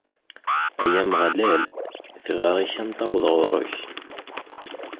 Ay Ameɣlal, tiɣri-w a n-taweḍ ɣur-k!